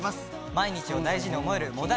毎日を大事に思えるもだ